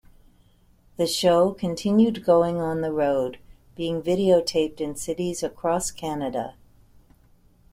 The show continued going on the road, being videotaped in cities across Canada.